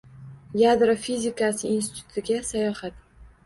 Yadro fizikasi institutiga sayohat